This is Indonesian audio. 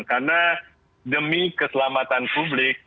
karena demi keselamatan publik